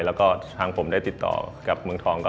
แล้วก็ทางผมได้ติดต่อกับเมืองทองก่อน